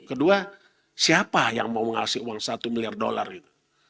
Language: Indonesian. kedua siapa yang mau mengasih uang satu miliar dolar gitu